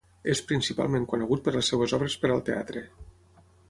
És principalment conegut per les seues obres per al teatre.